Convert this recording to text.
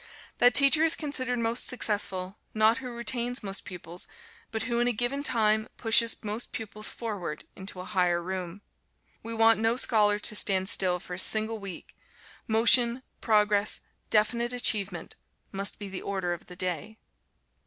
That teacher is considered most successful, not who retains most pupils, but who in a given time pushes most pupils forward into a higher room. We want no scholar to stand still for a single week. Motion, progress, definite achievement, must be the order of the day.